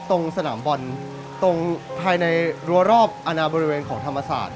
ตรงสนามบอลตรงภายในรัวรอบอนาบริเวณของธรรมศาสตร์